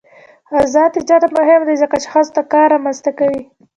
آزاد تجارت مهم دی ځکه چې ښځو ته کار رامنځته کوي.